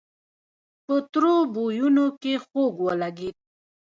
په تروو بويونو کې خوږ ولګېد.